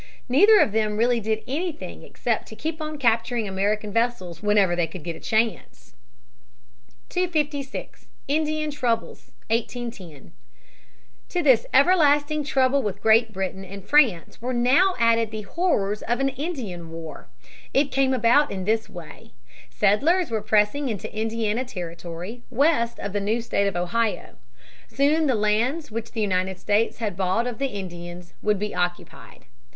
Neither of them really did anything except to keep on capturing American vessels whenever they could get a chance. [Sidenote: Indians of the Northwest. Eggleston, 242.] [Sidenote: Tecumthe.] 256. Indian Troubles, 1810. To this everlasting trouble with Great Britain and France were now added the horrors of an Indian war. It came about in this way. Settlers were pressing into Indiana Territory west of the new state of Ohio. Soon the lands which the United States had bought of the Indians would be occupied.